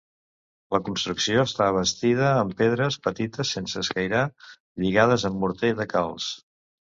La construcció està bastida amb pedres petites sense escairar lligades amb morter de calç.